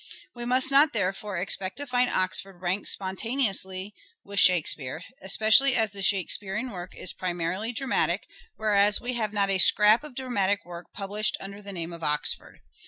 We must not, therefore, expect to find Oxford ranked spontaneously with Shakespeare ; especially as the Shakespearean work is primarily dramatic, whereas we have not a scrap of dramatic work published under the name of Oxford.